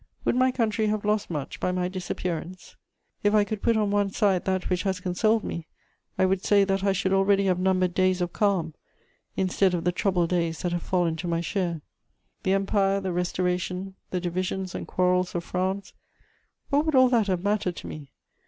Would my country have lost much by my disappearance? If I could put on one side that which has consoled me, I would say that I should already have numbered days of calm, instead of the troubled days that have fallen to my share. The Empire, the Restoration, the divisions and quarrels of France: what would all that have mattered to me?